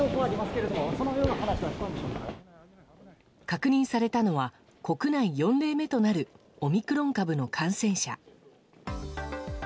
確認されたのは国内４例目となるオミクロン株の感染者。